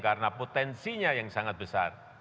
karena potensinya yang sangat besar